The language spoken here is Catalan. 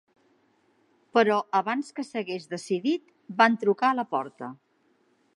Però, abans que s'hagués decidit, van trucar a la porta.